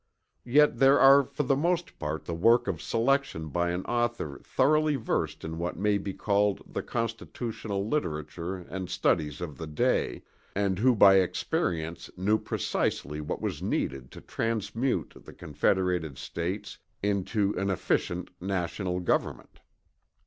Yet these are for the most part the work of selection by an author thoroughly versed in what may be called the Constitutional literature and studies of the day, and who by experience knew precisely what was needed to transmute the Confederated States into an efficient National government.